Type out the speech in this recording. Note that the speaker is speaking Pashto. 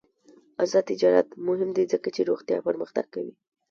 آزاد تجارت مهم دی ځکه چې روغتیا پرمختګ ورکوي.